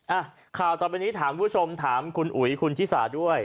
อ่ะข่าวต่อไปนี้ถามคุณผู้ชมถามคุณอุ๋ยคุณชิสาด้วย